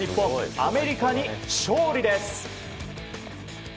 アメリカに勝利です！